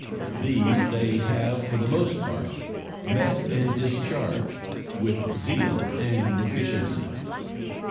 These they have for the most part met and discharged with zeal and efficiency.